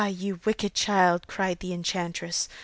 you wicked child,' cried the enchantress.